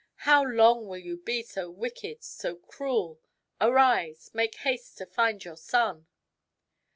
How long will you be so wicked, so cruel ? Arise ! Make haste to find your son."